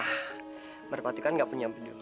nah merpati kan gak punya pedu